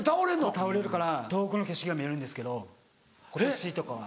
倒れるから遠くの景色が見えるんですけど今年とかは。